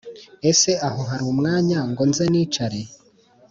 Ese aho hari umwanya ngo nze nicare